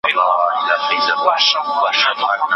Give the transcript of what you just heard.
په څه هیلو درته راغلم څه خُمار درڅخه ځمه